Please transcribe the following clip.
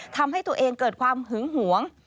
ทำให้ตัวเองเกิดความหึงหวง